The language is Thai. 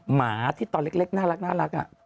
หมาที่ตอนเล็กน่ารัก